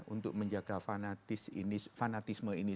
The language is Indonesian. untuk menjaga fanatisme ini